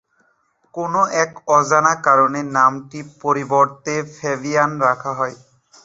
কোন এক অজানা কারণে নামটির পরিবর্তে ফ্যাবিয়ান রাখা হয়।